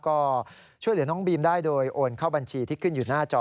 ก็ช่วยเหลือน้องบีมได้โดยโอนเข้าบัญชีที่ขึ้นอยู่หน้าจอ